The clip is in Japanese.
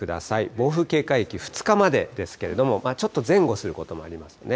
暴風警戒域、２日までですけど、ちょっと前後することもありますね。